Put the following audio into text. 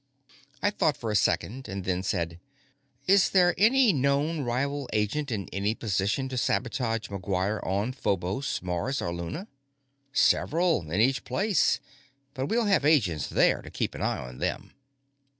I thought for a second, then said: "Is there any known rival agent in any position to sabotage McGuire on Phobos, Mars, or Luna?" "Several, in each place. But we'll have agents there to keep an eye on them.